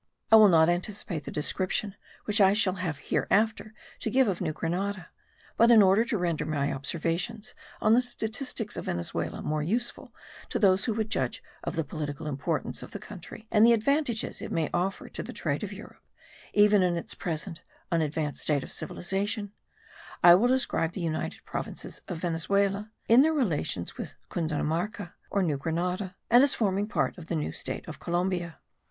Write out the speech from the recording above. I will not anticipate the description which I shall have hereafter to give of New Grenada; but, in order to render my observations on the statistics of Venezuela more useful to those who would judge of the political importance of the country and the advantages it may offer to the trade of Europe, even in its present unadvanced state of cultivation, I will describe the United Provinces of Venezuela in their relations with Cundinamarca, or New Grenada, and as forming part of the new state of Columbia.